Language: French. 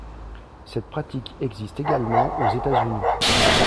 Cette pratique existe également aux États-Unis.